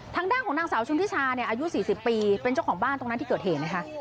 ทางด้านของนางสาวชุนทิชาเนี่ยอายุ๔๐ปีเป็นเจ้าของบ้านตรงนั้นที่เกิดเหตุนะคะ